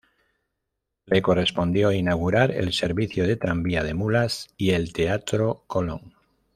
Le correspondió inaugurar el servicio de tranvía de mulas y el Teatro Colón.